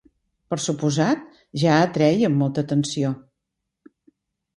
Per suposat, ja atraiem molta atenció.